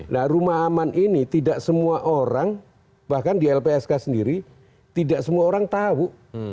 nah rumah aman ini tidak semua orang bahkan di lpsk sendiri tidak semua orang tahu